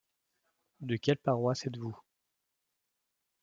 De quelle paroisse êtes-vous?